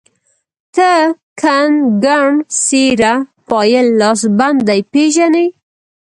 ته کنګڼ ،سيره، پايل، لاسبندي پيژنې